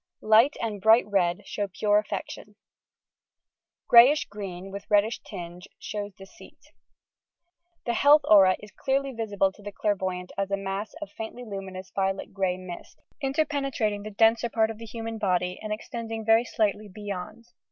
LiOHT and Bbioht Red show pure aflfection. Qbeyish Green, with reddish tinge, shows deceit. The health aura is clearly visible to the clairvoyant as a mass of faintly luminous violet grey mist, interpenetrating the denser part of the physical body and extending very slightly beyond.